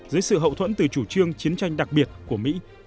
dưới sự hậu thuẫn từ chủ trương chiến tranh đặc biệt của mỹ